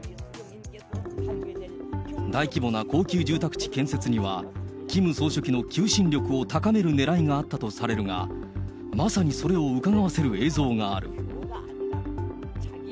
大規模な高級住宅地建設には、キム総書記の求心力を高めるねらいがあったとされるが、まさにそれをうかがわせる映像がある。